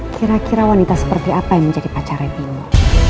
kira kira wanita seperti apa yang menjadi pacar ibu